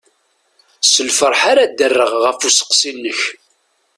S lferḥ ara d-rreɣ ɣef usteqsi-inek.